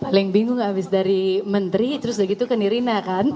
paling bingung abis dari menteri terus lagi tuh kan ini